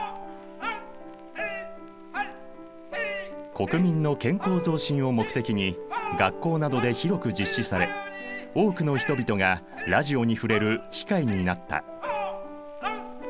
国民の健康増進を目的に学校などで広く実施され多くの人々がラジオに触れる機会になった。